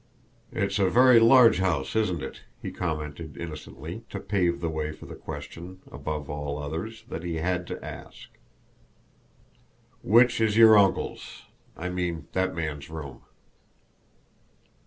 "It's a very large house, isn't it?" he commented innocently to pave the way for the question, above all others, that he had to ask. "Which is your uncle's, I mean that man's room?"